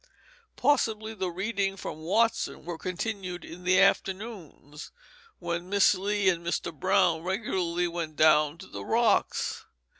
Possibly the readings from Watson were continued in the afternoons when Miss Lee and Mr. Brown regularly went down to the Rocks.